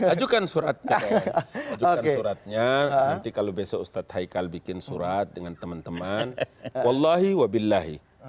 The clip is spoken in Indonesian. ajukan suratnya ajukan suratnya nanti kalau besok ustadz haikal bikin surat dengan teman teman wallahi wabillahi